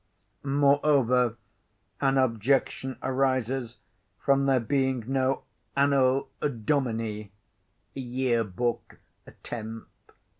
] Moreover, an objection arises from there being no Anno Domini, [_Year Book, Temp.